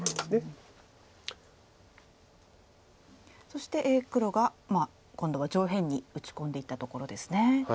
そして黒が今度は上辺に打ち込んでいったところです。